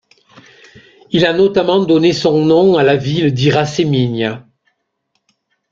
Il a notamment donné son nom à la ville d'Iraceminha.